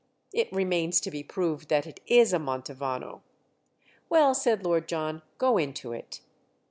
"It remains to be proved that it is a Mantovano." "Well," said Lord John, "go into it."